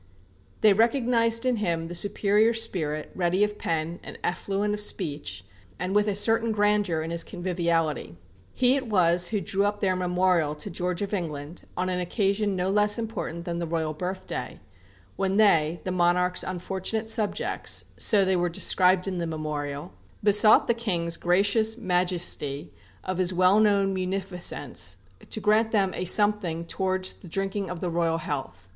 They recognized in him the superior spirit, ready of pen, and affluent of speech, and with a certain grandeur in his conviviality. He it was who drew up their memorial to George of England on an occasion no less important than the royal birthday, when they, the monarch's "unfortunate subjects," so they were described in the memorial besought the king's "gracious majesty," of his "well known munificence," to grant them a something towards the drinking of the royal health.